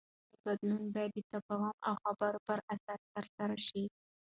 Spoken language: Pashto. سیاسي بدلون باید د تفاهم او خبرو پر اساس ترسره شي